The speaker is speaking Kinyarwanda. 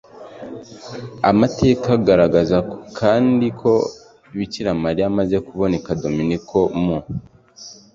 amateka agaragaza kandi ko bikira mariya amaze kubonekera dominiko mu